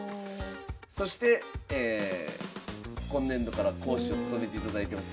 そして今年度から講師を務めていただいてます